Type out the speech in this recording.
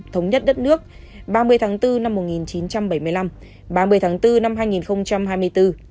thống nhất đất nước ba mươi tháng bốn năm một nghìn chín trăm bảy mươi năm ba mươi tháng bốn năm hai nghìn hai mươi bốn